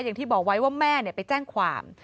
อย่างที่บอกไว้ว่าแม่ไปแจ้งความ